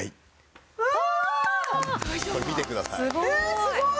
すごい！